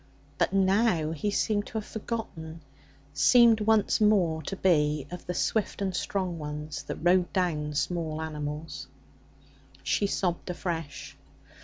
But now he seemed to have forgotten seemed once more to be of the swift and strong ones that rode down small creatures. She sobbed afresh.